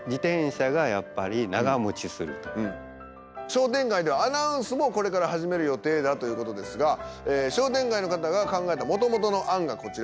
商店街ではアナウンスもこれから始める予定だということですが商店街の方が考えたもともとの案がこちらです。